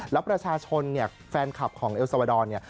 แล้วประชาชนเนี่ยแฟนคลับของเอลสวดอนเนี่ย